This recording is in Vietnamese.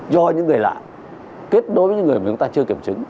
do những người lạ kết đối với những người mà chúng ta chưa kiểm chứng